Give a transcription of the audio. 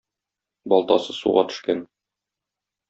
Балтасы суга төшкән.